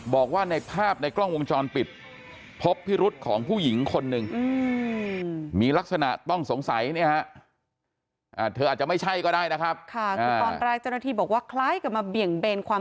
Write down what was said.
บอกว่าในภาพในกล้องวงชอนผิดพบพิรุษของผู้หญิงคนนึง